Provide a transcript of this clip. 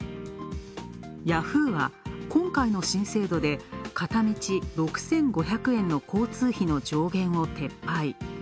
ヤフーは今回の新制度で片道６５００円の交通費の上限を撤廃。